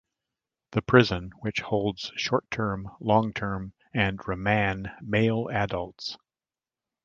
The prison, which holds short-term, long-term and remand male adults.